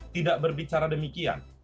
tidak berbicara demikian